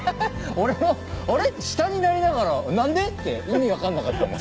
俺も「あれ？」って下になりながら「何で？」って意味分かんなかったもん。